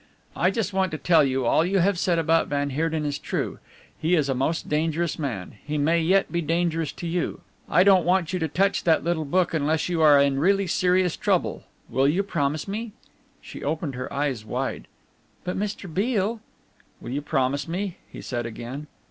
"I just want to tell you all you have said about van Heerden is true. He is a most dangerous man. He may yet be dangerous to you. I don't want you to touch that little book unless you are in really serious trouble. Will you promise me?" She opened her eyes wide. "But, Mr. Beale ?" "Will you promise me?" he said again.